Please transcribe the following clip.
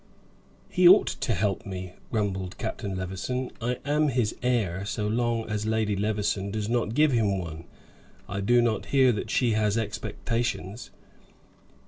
"He ought to help me," grumbled Captain Levison. "I am his heir, so long as Lady Levison does not give him one. I do not hear that she has expectations."